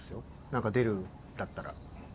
何か出るんだったら。